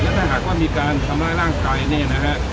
ถ้าหากว่ามีการทำร้ายร่างกายเนี่ยนะฮะ